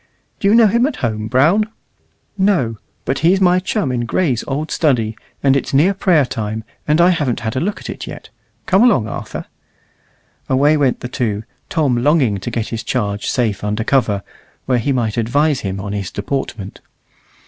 "Do you know him at home, Brown?" "No; but he's my chum in Gray's old study, and it's near prayer time, and I haven't had a look at it yet. Come along, Arthur." Away went the two, Tom longing to get his charge safe under cover, where he might advise him on his deportment.